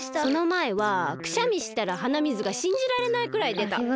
そのまえはくしゃみしたらはな水がしんじられないくらいでた。